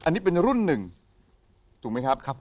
อันนี้เป็นรุ่น๑ถูกมั้ยครับ